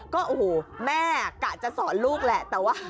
ก็โอ้โหแม่กะจะสอนลูกแหละแต่ว่า